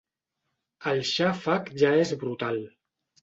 El xàfec ja és brutal.